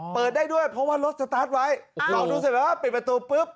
เปิดได้ด้วยเพราะว่ารถสตาร์ทไว้ลองดูเสร็จแบบว่าปิดประตูปุ๊บ